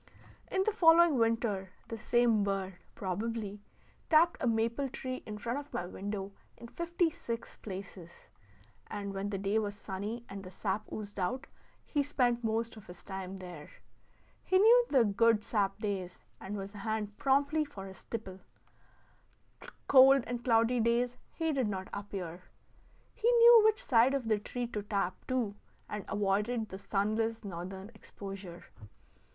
In the following winter the same bird (probably) tapped a maple tree in front of my window in fifty six places; and when the day was sunny, and the sap oozed out, he spent most of his time there. He knew the good sap days, and was on hand promptly for his tipple; cold and cloudy days he did not appear. He knew which side of the tree to tap, too, and avoided the sunless northern exposure.